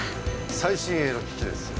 最新鋭の機器です。